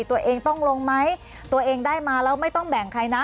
ตัวเองต้องลงไหมตัวเองได้มาแล้วไม่ต้องแบ่งใครนะ